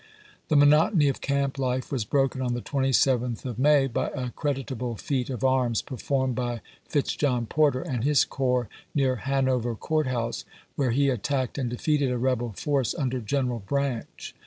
The monotony of camp life was broken on the 27th of May by a creditable feat of arms performed by Fitz John Porter and his corps near Hanover Court House, where he attacked and defeated a rebel force under General Branch.